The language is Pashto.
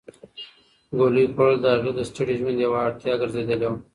ګولۍ خوړل د هغې د ستړي ژوند یوه اړتیا ګرځېدلې وه.